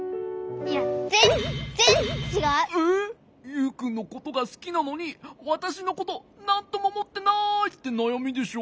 「ユウくんのことがすきなのにわたしのことなんともおもってない」ってなやみでしょ？